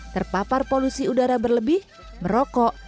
terpapar polusi udara berlebih merokok